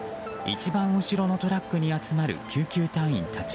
一番後ろのトラックに集まる救急隊員たち。